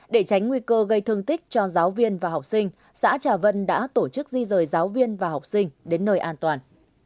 để tránh nguy cơ gây thương tích cho giáo viên và học sinh xã trà vân đã tổ chức di rời giáo viên và học sinh đến nơi an toàn